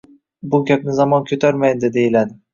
Bu gapni zamon ko‘tarmaydi, deyiladi.